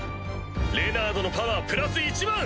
レナードのパワープラス１００００！